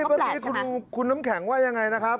เมื่อกี้คุณน้ำแข็งว่ายังไงนะครับ